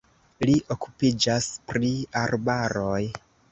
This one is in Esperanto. Li okupiĝas pri arbaroj.